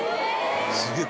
「すげえ！